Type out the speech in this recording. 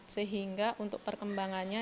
sehingga untuk perkembangannya